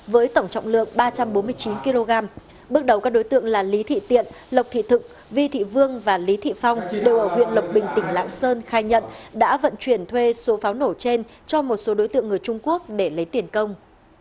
với tổng trọng lượng ba trăm bốn mươi chín kg bước đầu các đối tượng là lý thị tiện lộc thị thực vi thị vương và lý thị phong đều ở huyện lộc bình tỉnh lạng sơn khai nhận đã vận chuyển thuê số pháo nổ trên cho một số đối tượng người trung quốc để lấy tiền công